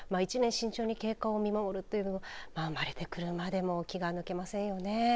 慎重に経過を見守るというのも生まれてくるまでも気が抜けないですよね。